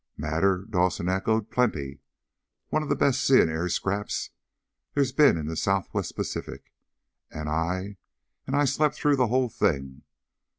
"Matter?" Dawson echoed. "Plenty! One of the best sea and air scraps there's been in the Southwest Pacific, and I and I slept through the whole thing!